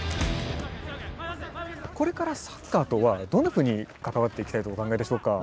これからサッカーとはどんなふうに関わっていきたいとお考えでしょうか？